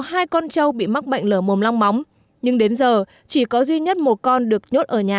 hai con trâu bị mắc bệnh lở mồm long móng nhưng đến giờ chỉ có duy nhất một con được nhốt ở nhà